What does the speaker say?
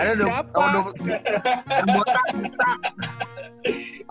ada dong kamu udah